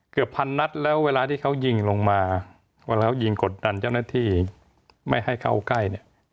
เกือบพันนัดแล้วเวลาที่เขายิงลงมาเวลาเขายิงกดดันเจ้าหน้าที่ไม่ให้เข้าใกล้เนี่ย